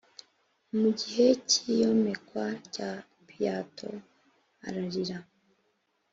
mu gihe cy iyomekwa rya piato ararira